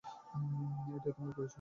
এটাই তোমার পরিবার।